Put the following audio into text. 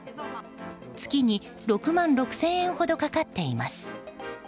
月に６万６０００円ほどかかっています。